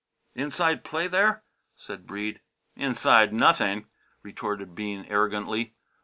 "Inside play, there?" said Breede. "Inside, nothing!" retorted Bean arrogantly.